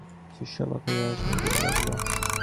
শিষ্য অবাক হইয়া শুনিতে লাগিল।